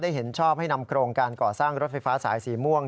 เห็นชอบให้นำโครงการก่อสร้างรถไฟฟ้าสายสีม่วง